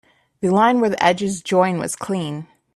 The line where the edges join was clean.